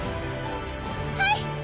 はい！